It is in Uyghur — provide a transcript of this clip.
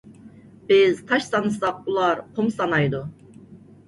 بىز تاش سانىساق، ئۇلار قۇم سانايدۇ.